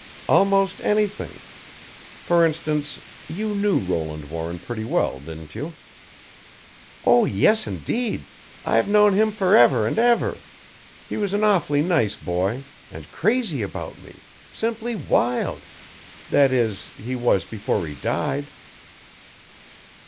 "Almost anything. For instance you knew Roland Warren pretty well, didn't you?" "Oh, yes, indeed! I've known him forever and ever. He was an awfully nice boy, and crazy about me simply wild! That is, he was before he died."